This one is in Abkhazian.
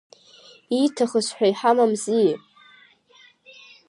Ииҭахыз ҳәа иҳамамзи?